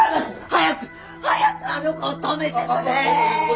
早く早くあの子を止めてくれーっ！